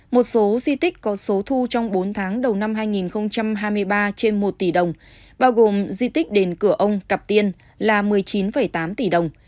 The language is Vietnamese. một số di tích có số thu trong bốn tháng đầu năm hai nghìn hai mươi ba trên một tỷ đồng bao gồm di tích đền cửa ông cặp tiên là một mươi chín tám tỷ đồng